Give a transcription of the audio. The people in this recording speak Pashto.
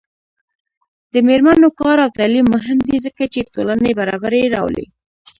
د میرمنو کار او تعلیم مهم دی ځکه چې ټولنې برابري راولي.